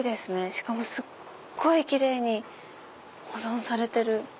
しかもすっごい奇麗に保存されてる。